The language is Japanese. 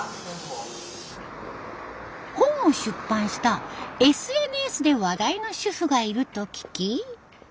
本を出版したＳＮＳで話題の主婦がいると聞き。